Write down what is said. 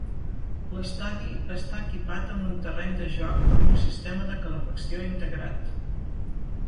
L'estadi està equipat amb un terreny de joc amb un sistema de calefacció integrat.